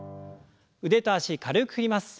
腕と脚軽く振ります。